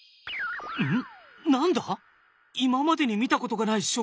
ん？